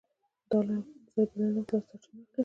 دا له هغو اقتصادي بدلونونو او اصلاحاتو سرچینه اخلي.